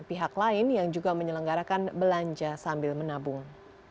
pihak lain yang juga menyelenggarakan belanja sambil menabung